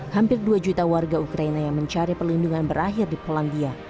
hampir dua juta warga ukraina yang mencari perlindungan berakhir di polandia